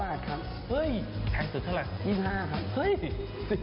เฮ้ยแพงสุดเท่าไร